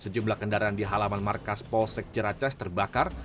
sejumlah kendaraan di halaman markas polsek jeracas terbakar